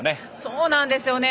そうなんですよね。